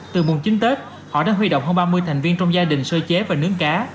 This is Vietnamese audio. từ mùng chín tết họ đã huy động hơn ba mươi thành viên trong gia đình sơ chế và nướng cá